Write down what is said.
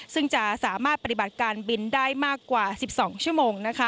ซึ่งจะสามารถปฏิบัติการบินได้มากกว่า๑๒ชั่วโมง